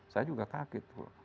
saya juga kaget